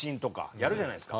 やるじゃないですか。